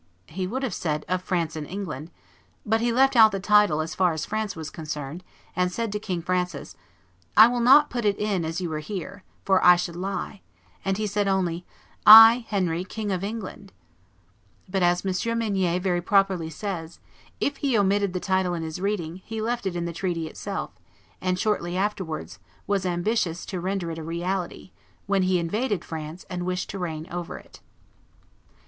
. (he would have said of France and England), but he left out the title as far as France was concerned, and said to King Francis, 'I will not put it in as you are here, for I should lie;' and he said only, 'I Henry, King of England.'" But, as M. Mignet very properly says, "if he omitted the title in his reading, he left it in the treaty itself, and, shortly afterwards, was ambitious to render it a reality, when he invaded France and wished to reign over it."